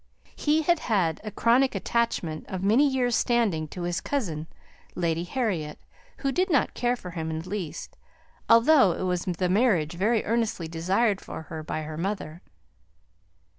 He had had a chronic attachment, of many years' standing, to his cousin, Lady Harriet, who did not care for him in the least, although it was the marriage very earnestly desired for her by her mother.